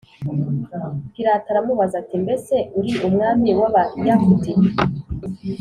Pilato aramubaza ati mbese uri umwami w Abayahudi